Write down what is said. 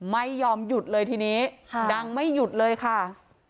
ไม่ยอมหยุดเลยทีนี้ดังไม่หยุดเลยค่ะ